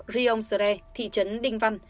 riom sere thị trấn đinh văn